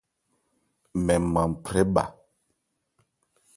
Mɛn nman phrɛ bha.